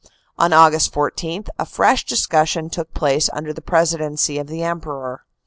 On Aug. 14, a fresh discussion took place under the presidency of the Emperor.